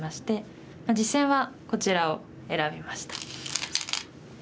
実戦はこちらを選びました。